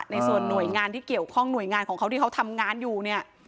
ในส่วนหน่วยงานที่เกี่ยวข้องหน่วยงานของเขาที่เขาทำงานอยู่เนี่ย